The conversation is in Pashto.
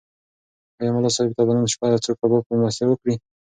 ایا ملا صاحب ته به نن شپه څوک کباب مېلمستیا وکړي؟